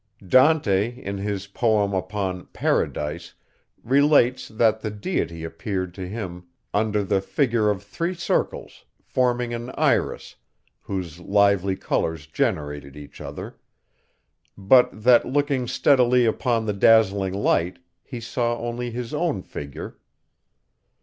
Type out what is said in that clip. Dante, in his poem upon Paradise, relates, that the Deity appeared to him under the figure of three circles, forming an iris, whose lively colours generated each other; but that, looking steadily upon the dazzling light, he saw only his own figure.